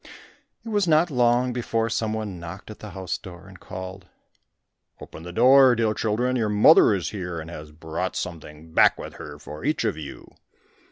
It was not long before some one knocked at the house door and called, "Open the door, dear children; your mother is here, and has brought something back with her for each of you."